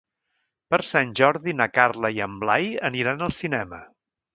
Per Sant Jordi na Carla i en Blai aniran al cinema.